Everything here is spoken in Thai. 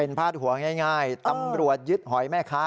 พาดหัวง่ายตำรวจยึดหอยแม่ค้า